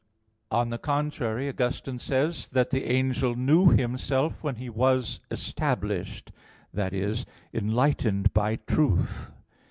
On the contrary, Augustine says (Gen. ad lit. ii) that "the angel knew himself when he was established, that is, enlightened by truth."